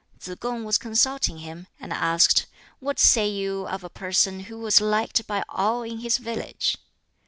Tsz kung was consulting him, and asked, "What say you of a person who was liked by all in his village?"